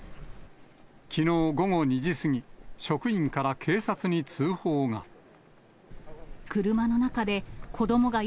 きのう午後２時過ぎ、職員から警察に通報が。